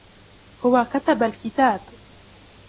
هو كتب الكتاب.